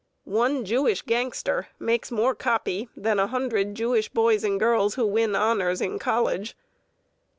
One Jewish gangster makes more "copy" than a hundred Jewish boys and girls who win honors in college.